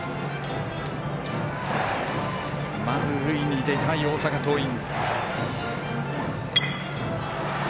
まず、塁に出たい大阪桐蔭。